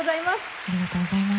ありがとうございます。